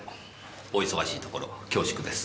お忙しいところ恐縮です。